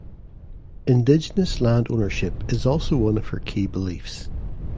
Indigenous land ownership is also one of her key beliefs.